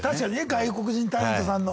外国人タレントさんの。